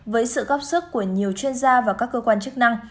với sự góp sức của nhiều chuyên gia và các cơ quan chức năng